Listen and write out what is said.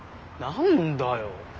何だよ。